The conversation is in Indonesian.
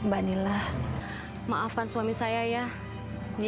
hanya saja saya pingsan kepada nanti